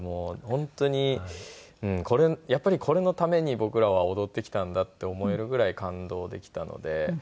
本当にやっぱりこれのために僕らは踊ってきたんだって思えるぐらい感動できたので。